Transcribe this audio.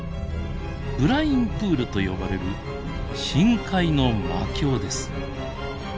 ブラインプールと呼ばれる深海の魔境です。